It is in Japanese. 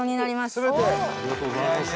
ありがとうございます。